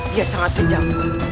dia sangat kejam